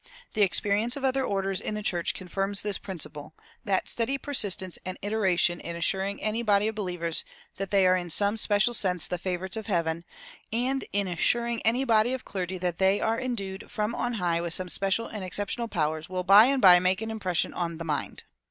The experience of other orders in the church confirms this principle: that steady persistence and iteration in assuring any body of believers that they are in some special sense the favorites of Heaven, and in assuring any body of clergy that they are endued from on high with some special and exceptional powers, will by and by make an impression on the mind.